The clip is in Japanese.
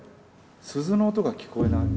鈴の音が聞こえない。